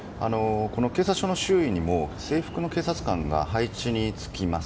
警察署の周囲にも制服の警察官が配置につきます。